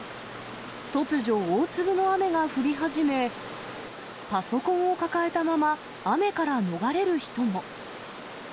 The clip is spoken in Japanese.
突如、大粒の雨が降り始め、パソコンを抱えたまま雨から逃れる人も。